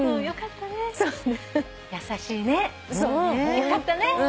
よかったね。